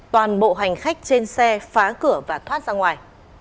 toàn bộ hành khách trên xe phá cửa và thoát ra ngoài